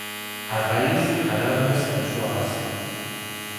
A raíz agrandase na súa base.